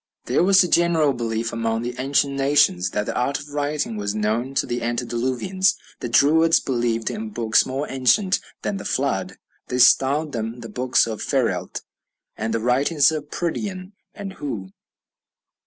There was a general belief among the ancient nations that the art of writing was known to the antediluvians. The Druids believed in books more ancient than the Flood. They styled them "the books of Pheryllt," and "the writings of Pridian or Hu."